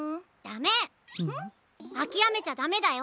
あきらめちゃダメだよ。